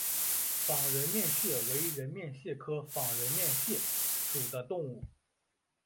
仿人面蟹为人面蟹科仿人面蟹属的动物。